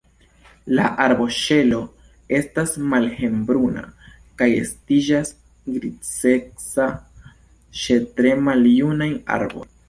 La arboŝelo estas malhelbruna kaj estiĝas grizeca ĉe tre maljunaj arboj.